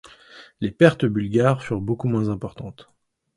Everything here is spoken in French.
Les pertes bulgares furent beaucoup moins importantes.